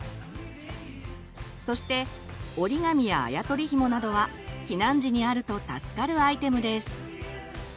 そして折り紙やあや取りひもなどは避難時にあると助かるアイテムです。